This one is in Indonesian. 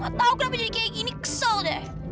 gak tau kenapa jadi kaya gini kesel deh